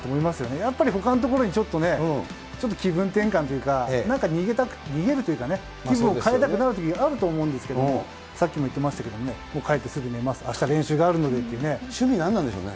やっぱりほかのところにちょっとね、ちょっと気分転換というか、なんか逃げるというかね、気分を変えたくなるときってあると思うんですけれども、さっきも言ってましたけどね、帰ってすぐ寝ます、あした練習が趣味何なんでしょうね。